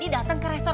feb haus kejar